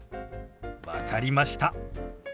分かりました。